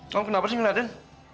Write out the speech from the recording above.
kamu kenapa sih ngeliatin